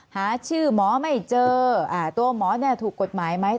หาชื่อหมอไม่เจอตัวหมอถูกกฎหมายไหม